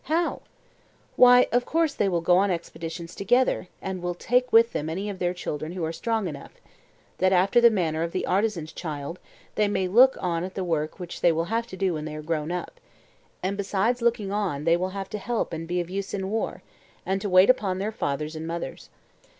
How? Why, of course they will go on expeditions together; and will take with them any of their children who are strong enough, that, after the manner of the artisan's child, they may look on at the work which they will have to do when they are grown up; and besides looking on they will have to help and be of use in war, and to wait upon their fathers and mothers.